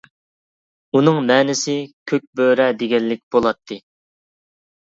ئۇنىڭ مەنىسى «كۆك بۆرە» دېگەنلىك بۇلاتتى.